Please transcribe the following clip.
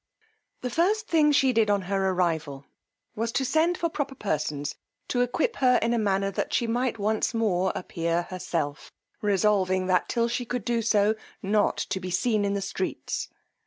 The first thing she did on her arrival, was to send for proper persons to equip her in a manner that she might once more appear herself, resolving that till she could do so, not to be seen in the streets.